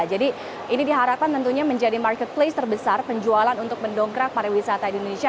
jadi ini diharapkan tentunya menjadi marketplace terbesar penjualan untuk mendongkrak para wisata di indonesia